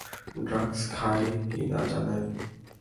Drugs খায় কি না জানেন?